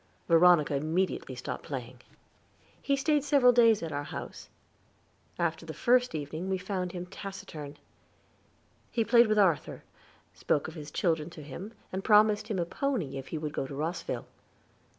Veronica immediately stopped playing. He stayed several days at our house. After the first evening we found him taciturn. He played with Arthur, spoke of his children to him, and promised him a pony if he would go to Rosville.